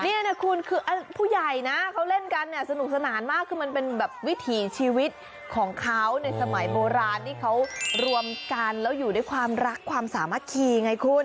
นี่นะคุณคือผู้ใหญ่นะเขาเล่นกันเนี่ยสนุกสนานมากคือมันเป็นแบบวิถีชีวิตของเขาในสมัยโบราณที่เขารวมกันแล้วอยู่ด้วยความรักความสามัคคีไงคุณ